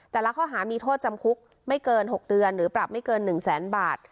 แต่ละข้อหามีโทษจำคุกไม่เกิน๖เดือนหรือปรับไม่เกิน๑แสนบาท